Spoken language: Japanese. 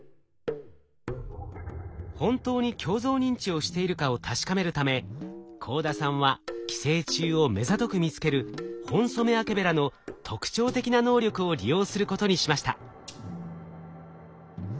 本当に鏡像認知をしているかを確かめるため幸田さんは寄生虫をめざとく見つけるホンソメワケベラの特徴的な能力を利用することにしました。